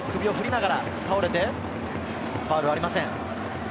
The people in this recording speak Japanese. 堂安が首を振りながら倒れて、ファウルはありません。